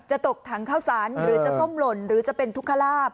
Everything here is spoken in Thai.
ตกถังข้าวสารหรือจะส้มหล่นหรือจะเป็นทุกขลาบ